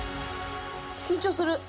緊張する。